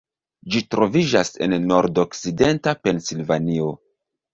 Ĝi troviĝas en nordokcidenta Pensilvanio.